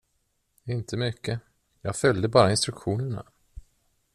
Inte mycket, jag följde bara instruktionerna.